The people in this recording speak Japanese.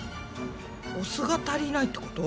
お酢が足りないってこと？